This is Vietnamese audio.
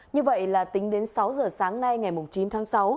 như vậy là tính đến sáu giờ sáng nay ngày chín tháng sáu